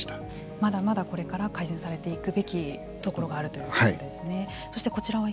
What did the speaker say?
まだまだこれから改善されていくべきところがあるはい。